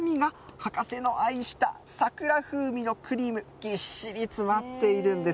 その中身が、博士の愛した桜風味のクリーム、ぎっしり詰まっているんです。